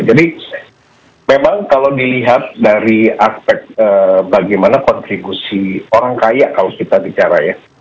jadi memang kalau dilihat dari aspek bagaimana kontribusi orang kaya kalau kita bicara ya